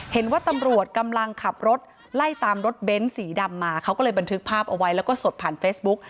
เห็นว่าตำรวจกำลังขับรถไล่ตามรถเบ้นสีดำมาเขาก็เลยบันทึกภาพเอาไว้แล้วก็สดผ่านเฟซบุ๊ก